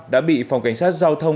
đã bị phòng cảnh sát giao tìm